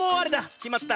きまった。